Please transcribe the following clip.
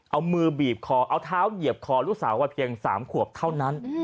เอามือบีบคอเอาเท้าเหยียบคอลูกสาวว่าเพียง๓ขวบเท่านั้น